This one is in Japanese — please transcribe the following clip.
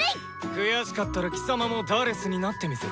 悔しかったら貴様も「４」になってみせろ。